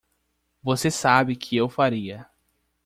Você sabe que eu faria.